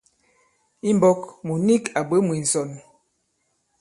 I mbɔ̄k mùt nik à bwě mwē ǹsɔn.